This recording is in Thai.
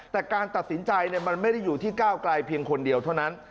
แต่การตัดสินใจมันไม่ได้อยู่ที่ก้าวไกลเพียงคนเดียวเท่านั้น